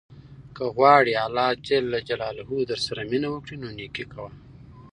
که غواړې اللهﷻ درسره مینه وکړي نو نېکي کوه.